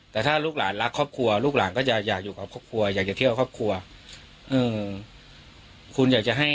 แต่ถ้าลูกหลานรักครอบครัวลูกหลานก็จะอยากอยู่กับครอบครัวอยากจะเที่ยวครอบครัวอืมคุณอยากจะให้